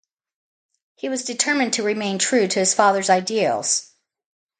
He was determined to remain true to his father's ideals.